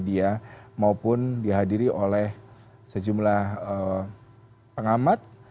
kkap dan media maupun dihadiri oleh sejumlah pengamat